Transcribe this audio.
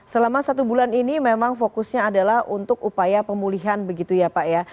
selama satu bulan ini memang fokusnya adalah untuk upaya pemulihan begitu ya pak ya